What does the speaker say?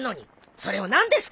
それを何ですか。